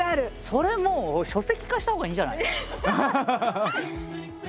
それもう書籍化したほうがいいんじゃない？